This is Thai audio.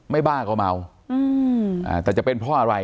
บ้าก็เมาแต่จะเป็นเพราะอะไร